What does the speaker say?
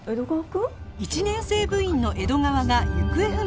１年生部員の江戸川が行方不明に